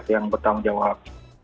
yang bertanggung jawab